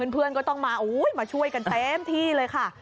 เพื่อนก็ต้องมามาช่วยกันเต็มที่เลยค่ะ